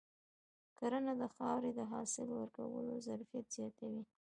کرنه د خاورې د حاصل ورکولو ظرفیت زیاتوي.